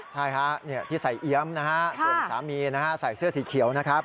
ใช่ค่ะที่ใส่เอี๊ยมส่วนสามีใส่เสื้อสีเขียวนะครับ